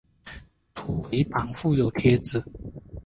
初回版附有贴纸。